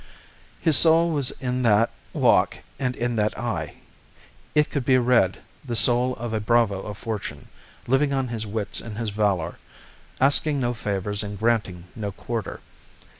His soul was in that walk and in that eye; it could be read the soul of a bravo of fortune, living on his wits and his valour, asking no favours and granting no quarter.